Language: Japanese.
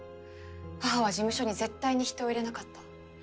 母は事務所に絶対に人を入れなかった。